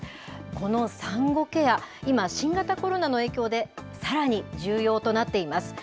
この産後ケア、今、新型コロナの影響で、さらに重要となっています。